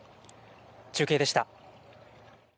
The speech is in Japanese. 中継でした。